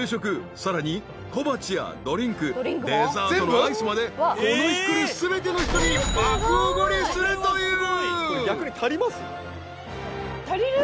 ［さらに小鉢やドリンクデザートのアイスまでこの日来る全ての人に爆おごりするという］